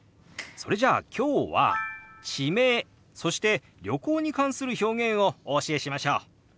それじゃあ今日は地名そして旅行に関する表現をお教えしましょう！